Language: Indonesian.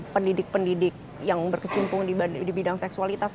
pendidik pendidik yang berkecimpung di bidang seksualitas